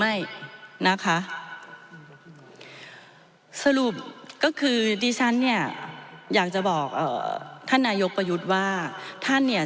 ไม่นะคะสรุปก็คือดิฉันเนี่ยอยากจะบอกเอ่อท่านนายกประยุทธ์ว่าท่านเนี่ย